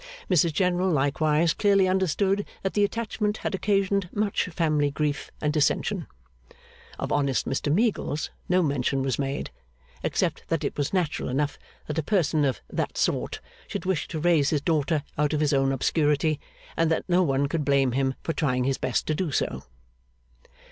Mrs General likewise clearly understood that the attachment had occasioned much family grief and dissension. Of honest Mr Meagles no mention was made; except that it was natural enough that a person of that sort should wish to raise his daughter out of his own obscurity, and that no one could blame him for trying his best to do so.